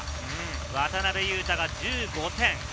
渡邊雄太が１５点。